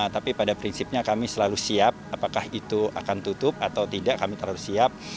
tapi pada prinsipnya kami selalu siap apakah itu akan tutup atau tidak kami terlalu siap